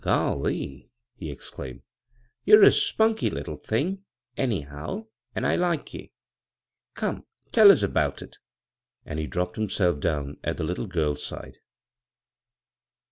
" Golly 1 " he exclaimed. " You're a spunk; little thing, anyhow, an' I like ye. Come, tell us all about it" And he dropped himself down at the little girl's side.